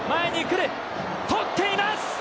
捕っています！